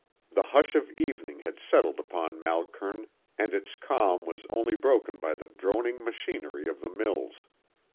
The hush of evening had settled upon Malkern, and its calm was only broken by the droning machinery of the mills.